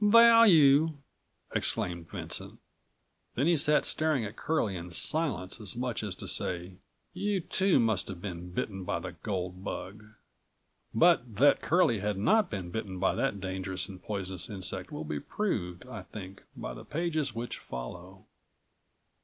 "Value!" exclaimed Vincent. Then he sat staring at Curlie in silence as much as to say: "You too must have been bitten by the gold bug." But that Curlie had not been bitten by that dangerous and poisonous insect will be proved, I think, by the pages which follow.